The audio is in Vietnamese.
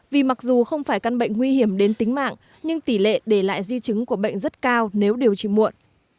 vì mặc dù không phải căn bệnh nguy hiểm đến tính mạng nhưng tỷ lệ để lại di chứng của bệnh rất cao nếu điều trị muộn